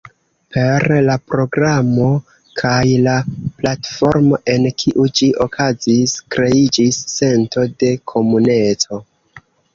Per la programo kaj la platformo en kiu ĝi okazis, kreiĝis sento de komuneco.